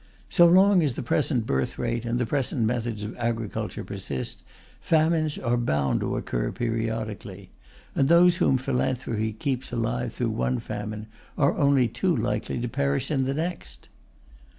So long as the present birth rate and the present methods of agriculture persist, famines are bound to occur periodically; and those whom philanthropy keeps alive through one famine are only too likely to perish in the next.